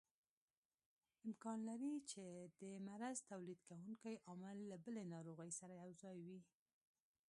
امکان لري چې د مرض تولید کوونکی عامل له بلې ناروغۍ سره یوځای وي.